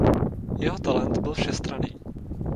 Jeho talent byl všestranný.